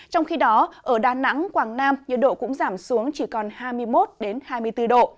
trong khi đó ở đà nẵng quảng nam nhiệt độ cũng giảm xuống chỉ còn hai mươi một hai mươi bốn độ